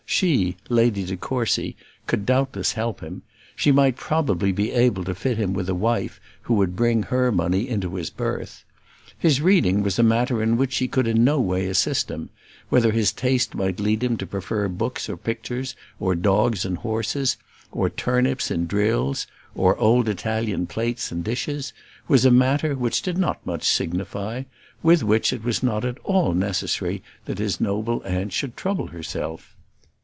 She, Lady de Courcy, could doubtless help him; she might probably be able to fit him with a wife who would bring her money onto his birth. His reading was a matter in which she could in no way assist him; whether his taste might lead him to prefer books or pictures, or dogs and horses, or turnips in drills, or old Italian plates and dishes, was a matter which did not much signify; with which it was not at all necessary that his noble aunt should trouble herself.